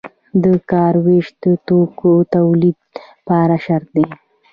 د کار ویش د توکو د تولید لپاره شرط دی.